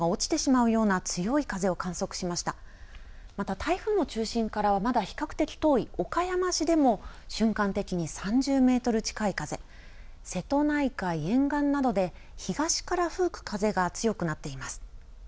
また台風の中心からはまだ比較的遠い岡山市でも瞬間的に３０メートル近い風、瀬戸内海沿岸などで東から吹く風が強くなっています。